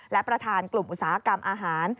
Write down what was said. และประธานกลุ่มอุตสาหกรรมอาหาร